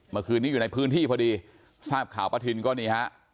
เมื่อคืนนี้อยู่ในพื้นที่พอดีทราบข่าวป้าทินก็นี่ฮะ